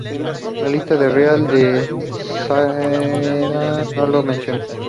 La lista Real de Saqqara no lo menciona.